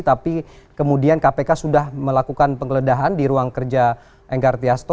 tapi kemudian kpk sudah melakukan penggeledahan di ruang kerja enggar tiasto